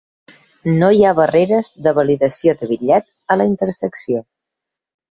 No hi ha barreres de validació de bitllet a la intersecció.